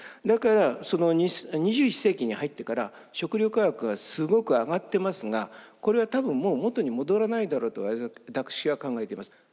だからその２１世紀に入ってから食料価格がすごく上がってますがこれは多分もう元に戻らないだろうと私は考えています。